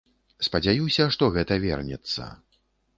Спадзяюся, што гэта вернецца.